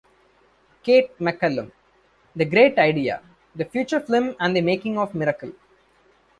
Kate McCallum, "The Great Idea: The Feature Film and the Making of Miracle".